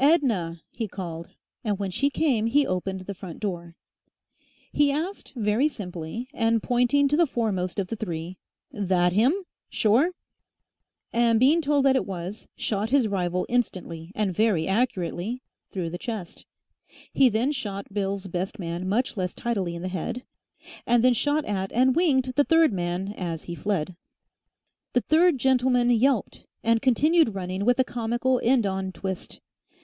"Edna!" he called, and when she came he opened the front door. He asked very simply, and pointing to the foremost of the three, "That 'im?... Sure?"... and being told that it was, shot his rival instantly and very accurately through the chest. He then shot Bill's best man much less tidily in the head, and then shot at and winged the third man as he fled. The third gentleman yelped, and continued running with a comical end on twist.